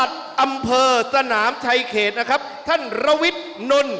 ตอนนี้มาแนะนำการกันก่อน